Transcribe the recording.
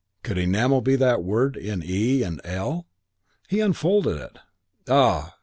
could Enamel be that word in e and l? He unfolded it. Ah!